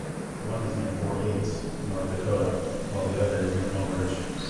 One is near Fort Yates, North Dakota, while the other is near Mobridge.